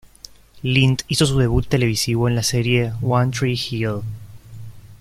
Lind hizo su debut televisivo en la serie "One Tree Hill".